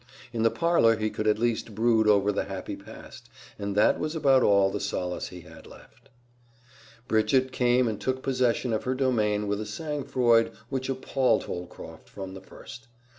In the parlor he could at least brood over the happy past, and that was about all the solace he had left. Bridget came and took possession of her domain with a sangfroid which appalled Holcroft from the first.